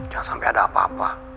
jangan sampai ada apa apa